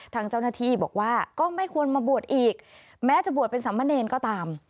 ทางเจ้าหน้าที่บอกว่าก็ไม่ควรมาบวชอีกแม้จะบวชเป็นสามเณรก็ตาม